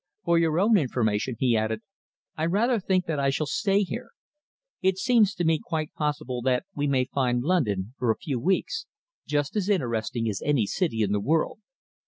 For your own information," he added, "I rather think that I shall stay here. It seems to me quite possible that we may find London, for a few weeks, just as interesting as any city in the world."